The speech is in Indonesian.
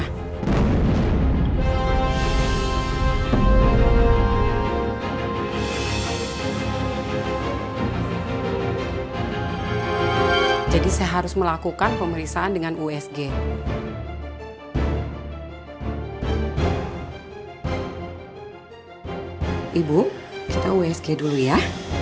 kondisi ini sangat tidak bagus untuk janinnya